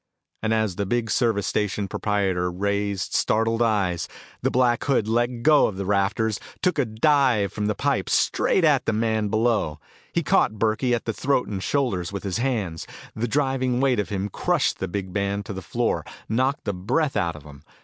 And as the big service station proprietor raised startled eyes, the Black Hood let go of the rafters, took a dive from the pipe straight at the man below. He caught Burkey at the throat and shoulders with his hands. The driving weight of him crushed the big man to the floor, knocked the breath out of him.